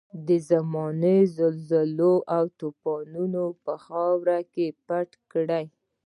د زمانې زلزلو او توپانونو په خاورو کې پټ کړ.